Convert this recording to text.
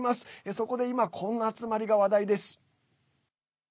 そこで今こんな集まりが話題です。